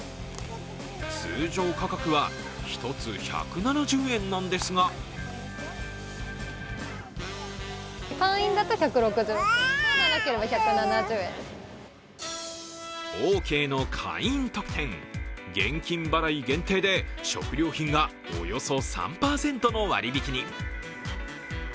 通常価格は１つ１７０円なんですがオーケーの会員特典、現金払い限定で食料品がおよそ３％の割引に。